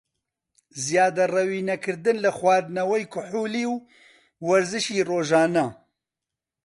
زیادەڕەوی نەکردن لە خواردنەوەی کحولی و وەرزشی رۆژانە